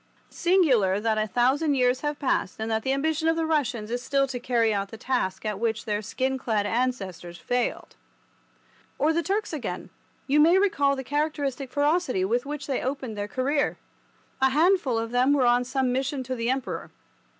Singular that a thousand years have passed and that the ambition of the Russians is still to carry out the task at which their skin clad ancestors failed. Or the Turks again; you may recall the characteristic ferocity with which they opened their career. A handful of them were on some mission to the Emperor.